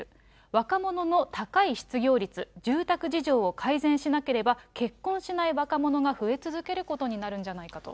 若者の高い失業率、住宅事情を改善しなければ、結婚しない若者が増え続けることになるんじゃないかと。